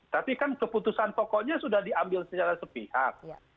tapi kan keputusan pokoknya sudah diambil secara sepihak